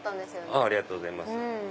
ありがとうございます。